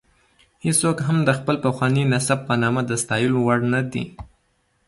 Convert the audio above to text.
هېڅوک هم د خپل پخواني نسب په نامه د ستایلو وړ نه دی.